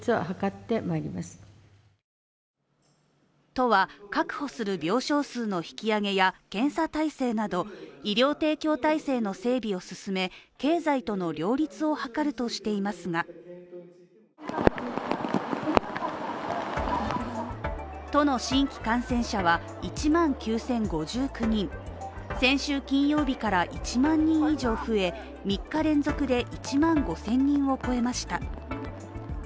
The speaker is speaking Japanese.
都は確保する病床数の引き上げや検査体制など、医療提供体制の整備を進め、経済との両立を図るとしていますが都の新規感染者は１万９０５９人、先週金曜日から１万人以上増え、３日連続で１万５０００人を超えました。